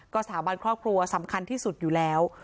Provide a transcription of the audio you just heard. สถาบันครอบครัวสำคัญที่สุดอยู่แล้ว